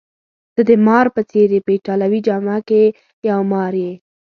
ته د مار په څېر يې، په ایټالوي جامه کي یو مار یې.